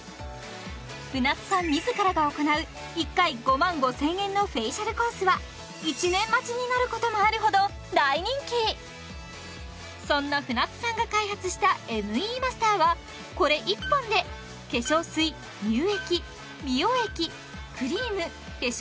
舟津さん自らが行う１回５万５０００円のフェイシャルコースは１年待ちになることもあるほど大人気そんな舟津さんが開発したＭＥマスターはこれ１本で化粧水乳液美容液クリーム化粧